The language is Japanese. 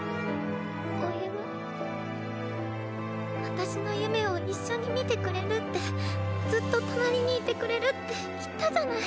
私の夢を一緒にみてくれるってずっと隣にいてくれるって言ったじゃない！